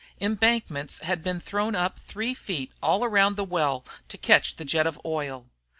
Embankments had been thrown up three feet all around the well to catch the jet of oil.